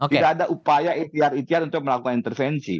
tidak ada upaya ikhtiar ikhtiar untuk melakukan intervensi